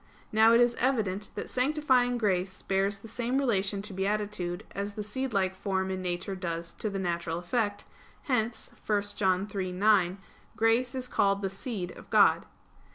Now it is evident that sanctifying grace bears the same relation to beatitude as the seedlike form in nature does to the natural effect; hence (1 John 3:9) grace is called the "seed" of God.